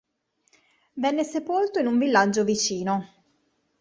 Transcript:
Venne sepolto in un villaggio vicino.